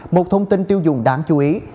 một thông tin tiêu dùng đáng chú ý